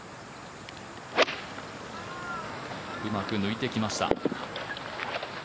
うまく抜いていきました。